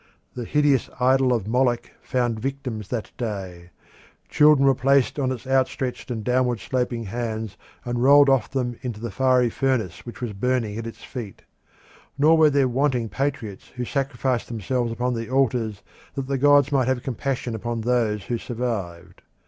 The hideous idol of Moloch found victims in that day; children were placed on its outstretched and downward sloping hands and rolled off them into the fiery furnace which was burning at its feet. Nor were there wanting patriots who sacrificed themselves upon the altars that the gods might have compassion upon those who survived.